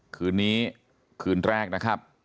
คืนนี้คืนแรกนะครับ